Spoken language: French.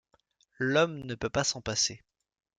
L'homme ne peut pas s'en passer.